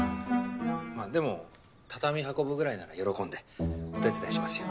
まあでも畳運ぶぐらいなら喜んでお手伝いしますよ。